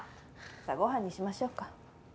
さあご飯にしましょうか。